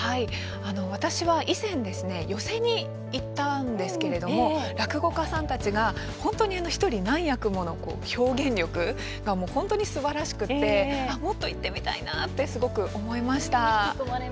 私は以前寄席に行ったんですけれども落語家さんたちが本当に１人何役もの表現力が本当にすばらしくてもっと行ってみたいなってすごく思いました。